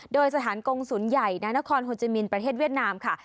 โดยสถานกงศูนย์ใหญ่นานครโฮจิมินประเทศเวียดนามค่ะ